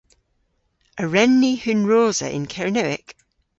A wren ni hunrosa yn Kernewek?